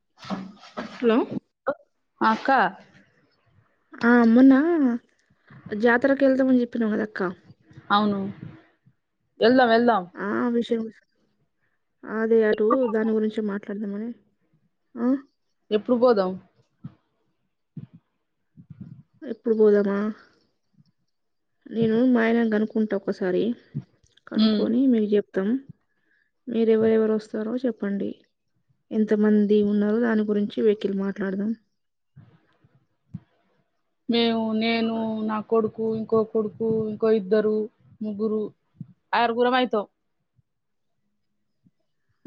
[unintelligible] hello అక్క ఆ మొన్న జాతరకిళ్దామని చెప్పిన కథక్క అవును వెళ్దాం వెళ్దాం ఆ విషం అదే అటు దాని గురించి మాట్లాడదామని ఆ ఎప్పుడు పోదాం ఎప్పుడు పోదామా నేను మాయన అనుకుంటా ఒకసారి ఉమ్ కనుక్కొని మీకు చెప్తాం మీరెవరెవరు వస్తారో చెప్పండి ఎంత మంది ఉన్నారో దాని గురించి వెకిల్ మాట్లాడదాం మేము నేను నా కొడుకు కొకు ఇంకో కొడుకు ఇంకో ఇద్దరు ముగ్గురు ఆయరుగురం అవుతాం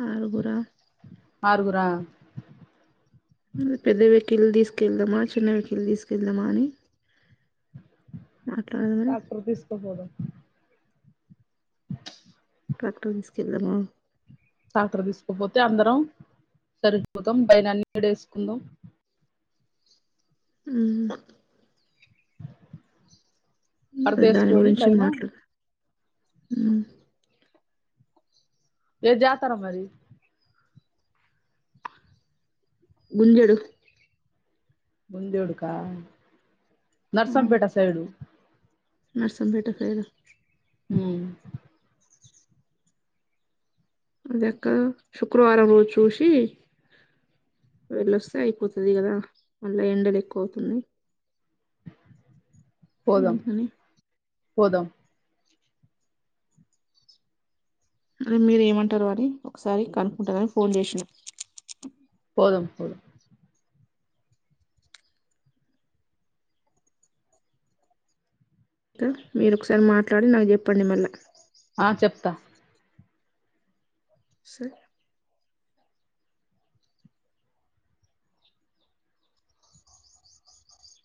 ఆరుగురా ఆరుగురా పెద్ద వెకల్ తీసుకెళ్దామా చిన్న వెకల్ తీసుకెళ్దామా అని మాట్లాడదామని డాక్టర్ తీసుక పోదు డాక్టర్ మస్కల్దమ చకర తీసుకోపోతే అందరం సరిపోతాం పైనన్ని వేసుకుందాం అ అే దాని పరదేసుకొని గురించి పైన మాట్లా ఏ జాతార మరి గుజడు బందేడుకా నర్సంపేట సైడు నర్సం బెటా ఫేద హ దక శుక్రవారం రోజు చూసి వెళ్ళొస్తే అయిపోతుది కదా మళ్ళా ఎండలు ఎక్కువ అవుతున్నా పోదాం ఇందుకనే పోదాం మరి మీరు ఏమంటరో అని ఒకసారి కనుకుంటరని ఫోన్ చేస్న పోదాం పోదాం అకా మీరొకసారి మాట్లాడి నాకు చెప్పండి మళ్ళా ఆ చెప్తా సరే